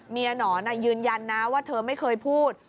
หนอนยืนยันนะว่าเธอไม่เคยพูด